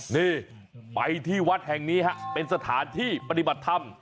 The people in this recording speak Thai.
นี่ไปที่วัดแห่งนี้ฮะเป็นสถานที่ปฏิบัติธรรม